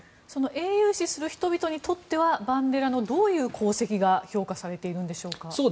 英雄視する人々にとってはバンデラのどういう功績が評価されているんでしょうか。